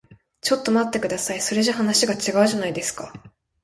ちょっと待ってください。それじゃ話が違うじゃないですか。